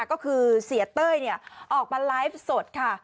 ก็คือเสียเต้ยออกมาไลฟ์สดค่ะ